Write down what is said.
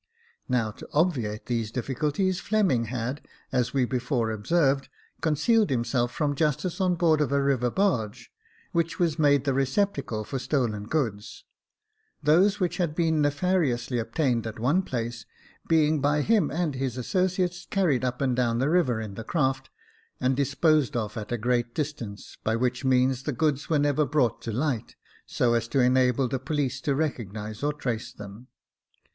Now, to obviate these difficulties, Fleming had, as we before observed, concealed himself from justice on board of a river barge, which was made the receptacle for stolen goods : those which had been nefariously obtained at one 88 Jacob Faithful place, being by him and his associates carried up and down the river in the craft, and disposed of at a great distance, by which means the goods were never brought to light, so as to enable the police to recognise or trace them.